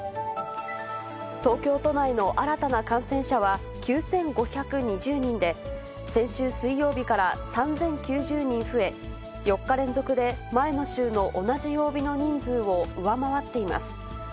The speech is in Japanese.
東京都内の新たな感染者は、９５２０人で、先週水曜日から３０９０人増え、４日連続で前の週の同じ曜日の人数を上回っています。